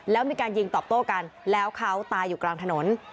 แล้วมีการยิงตอบโต้กันแล้วเขาตายอยู่กลางถนน